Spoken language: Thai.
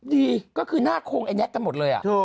ดีก็คือหน้าโครงไอ้แน็กกันหมดเลย